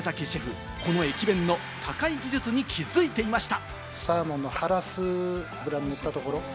宮崎シェフ、この駅弁の高い技術に気づいていました。